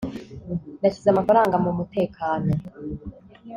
nashyize amafaranga mumutekano